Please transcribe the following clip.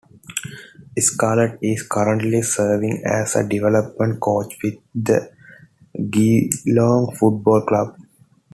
Scarlett is currently serving as a development coach with the Geelong Football Club.